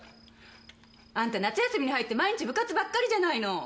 あんた夏休みに入って毎日部活ばっかりじゃないの。